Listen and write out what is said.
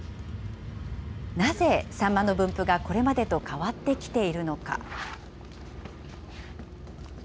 なぜサンマの分布が、これまでと変わってきているのか。